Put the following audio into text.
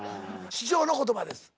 師匠の言葉です。